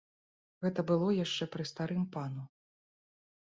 Гэта было яшчэ пры старым пану.